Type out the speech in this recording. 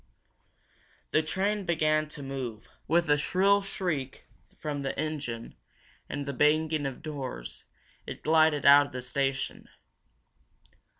The train began to move. With a shrill shriek from the engine, and the banging of doors, it glided out of the station.